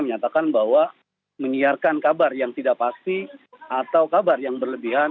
menyatakan bahwa menyiarkan kabar yang tidak pasti atau kabar yang berlebihan